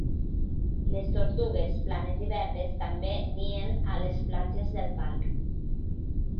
Les tortugues planes i verdes també nien a les platges del parc.